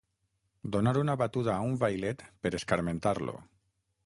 Donar una batuda a un vailet per escarmentar-lo.